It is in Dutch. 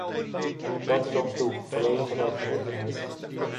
Dat is ons doel, volledige werkgelegenheid.